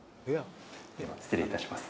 失礼いたします。